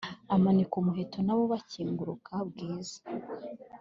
amanika umuheto nabo bakinguruka bwiza